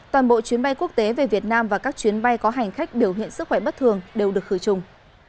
toàn bộ chuyến bay quốc tế về việt nam và các chuyến bay có hành khách biểu hiện sức khỏe bất thường đều được khử trùng